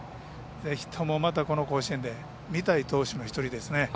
ぜひともまたこの甲子園で見たい投手の１人ですね。